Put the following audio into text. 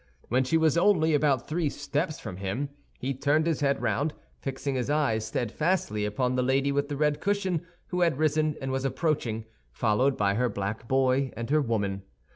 When she was only about three steps from him, he turned his head round, fixing his eyes steadfastly upon the lady with the red cushion, who had risen and was approaching, followed by her black boy and her woman.